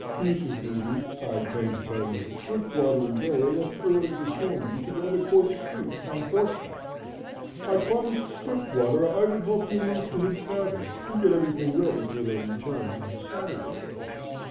"Mrs. Beebe, I came to tell you that Swiftwater and Bera left early this morning to go to Quartz Creek on horseback. I promised Swiftwater I would help you move to his cabin and get everything ready for their return on Saturday."